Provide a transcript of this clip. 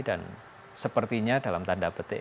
dan sepertinya dalam tanda betik